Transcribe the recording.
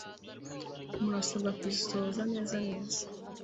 murasabwa kuzisohoza neza neza